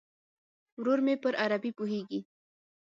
ورور مې پر عربي پوهیږي.